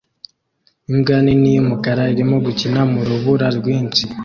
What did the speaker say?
Imbwa nini yumukara irimo gukina mu rubura rwinshi